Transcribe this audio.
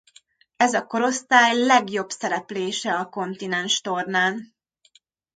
Ez a korosztály legjobb szereplése a kontinenstornán.